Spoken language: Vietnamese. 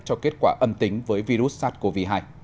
cho kết quả âm tính với virus sars cov hai